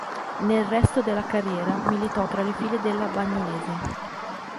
Nel resto della carriera militò tra le file della Bagnolese.